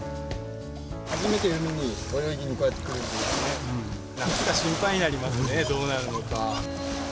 初めての海に泳ぎにこうやって来るんで、夏が心配になりますね、どうなるのか。